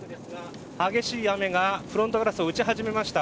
激しい雨がフロントガラスを打ち始めました。